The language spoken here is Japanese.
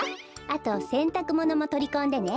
あとせんたくものもとりこんでね。